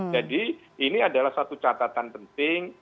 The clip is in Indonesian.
jadi ini adalah satu catatan penting